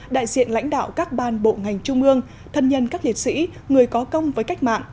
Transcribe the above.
đại diện lãnh đạo các ban bộ ngành trung ương thân nhân các liệt sĩ người có công với cách mạng